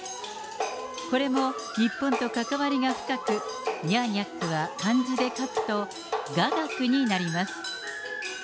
これも日本と関わりが深く、ニャーニャックは漢字で書くと、雅楽になります。